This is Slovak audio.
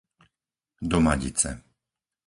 Domadice